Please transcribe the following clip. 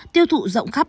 tiêu thụ rộng khắp